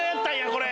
これ！